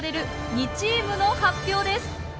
２チームの発表です。